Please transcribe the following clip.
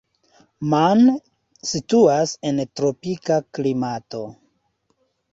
Man situas en tropika klimato.